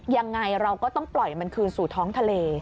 ยังไงเราก็ต้องปล่อยมันคืนสู่ท้องทะเล